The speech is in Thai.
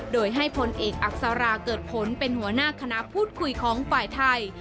โดยให้พลเอกอักษราเกิดผลเป็นหัวหน้าคณะพูดคุยของฝ่ายไทย